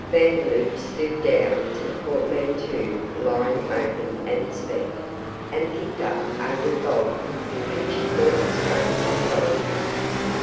Vandeloup stooped down to the portmanteau lying open at his feet, and picked up a revolver, which he pointed straight at Gollipeck.